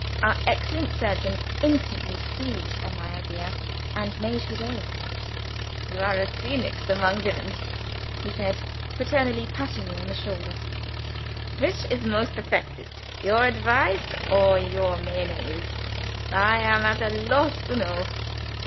Our excellent surgeon instantly seized on my idea, and made it his own. "You are a phenix among womens," he said, paternally patting me on the shoulder. "Which is most perfectest, your advice or your Mayonnaise, I am at a loss to know."